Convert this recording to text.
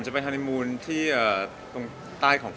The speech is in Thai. เก๋จะมีโอกาสได้ชุดคู่กับผู้ชายที่สุดของเก๋